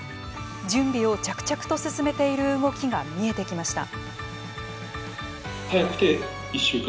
準備を着々と進めている動きが見えてきました。